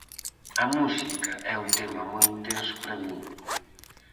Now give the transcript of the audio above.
A música é un tema moi intenso para min.